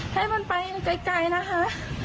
ให้มันไปไกลนะคะ